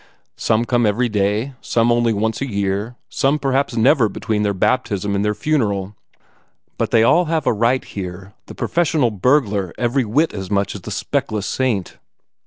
Some come every day, some only once a year, some perhaps never between their baptism and their funeral. But they all have a right here, the professional burglar every whit as much as the speckless saint.